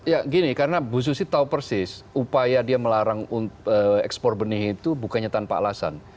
ya gini karena bu susi tahu persis upaya dia melarang ekspor benih itu bukannya tanpa alasan